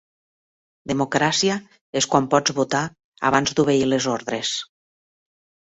Democràcia es quan pots votar abans d'obeir les ordres.